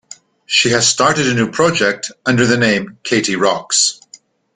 She has started a new project under the name Katie Rox.